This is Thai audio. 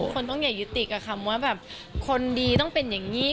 คนต้องอย่ายุติกับคำว่าแบบคนดีต้องเป็นอย่างนี้